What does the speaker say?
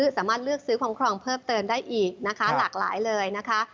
สามารถเลือกซื้อของครองเพิ่มเติมได้อีกนะคะหลากหลายเลยนะคะ